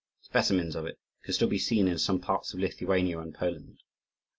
Specimens of it can still be seen in some parts of Lithuania and Poland.